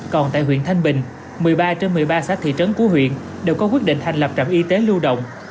còn tại huyện thanh bình một mươi ba trên một mươi ba xã thị trấn của huyện đều có quyết định thành lập trạm y tế lưu động